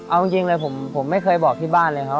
เอาจริงเลยผมไม่เคยบอกที่บ้านเลยครับ